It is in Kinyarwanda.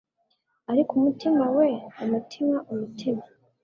ariko umutima we! umutima! umutima